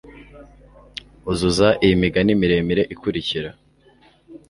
uzuza iyi migani miremire ikurikira